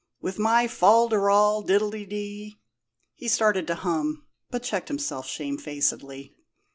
With my fol de rol, diddledy " He started to hum, but checked himself shamefacedly.